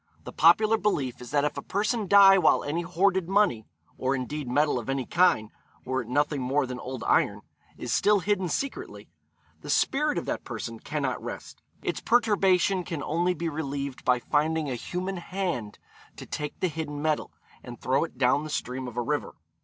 The popular belief is that if a person die while any hoarded money or indeed metal of any kind, were it nothing more than old iron is still hidden secretly, the spirit of that person cannot rest. Its perturbation can only be relieved by finding a human hand to take the hidden metal, and throw it down the stream of a river.